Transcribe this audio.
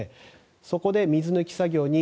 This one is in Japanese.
そこで水抜き作業に